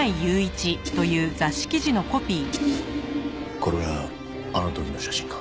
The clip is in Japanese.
これはあの時の写真か？